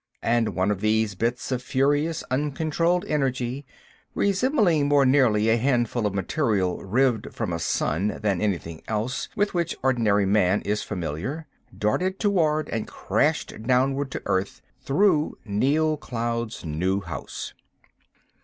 And one of these bits of furious, uncontrolled energy, resembling more nearly a handful of material rived from a sun than anything else with which ordinary man is familiar, darted toward and crashed downward to earth through Neal Cloud's new house.